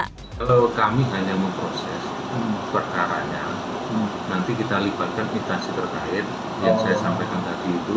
kalau kami hanya memproses perkaranya nanti kita libatkan instansi terkait yang saya sampaikan tadi itu